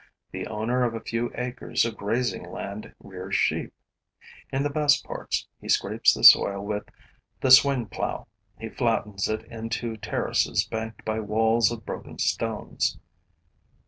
The owner of a few acres of grazing land rears sheep. In the best parts, he scrapes the soil with the swing plow; he flattens it into terraces banked by walls of broken stones.